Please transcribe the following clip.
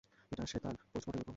এটা শ্বেতার postmortem report.